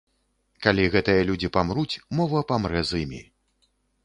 Калі гэтыя людзі памруць, мова памрэ з імі.